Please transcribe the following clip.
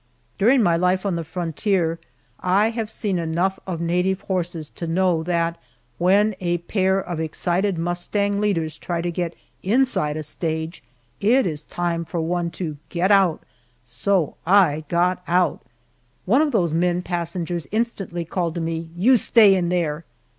During my life on the frontier I have seen enough of native horses to know that when a pair of excited mustang leaders try to get inside a stage, it is time for one to get out, so I got out! One of those men passengers instantly called to me, "You stay in there!"